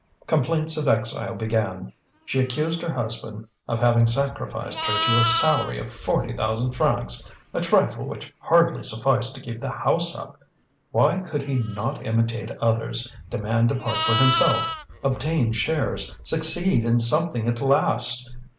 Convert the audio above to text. Complaints of exile began; she accused her husband of having sacrificed her to a salary of forty thousand francs, a trifle which hardly sufficed to keep the house up. Why could he not imitate others, demand a part for himself, obtain shares, succeed in something at last?